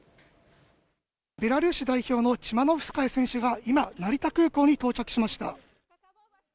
ベラルーシ代表のチマノウスカヤ選手が今、成田空港に到着しました。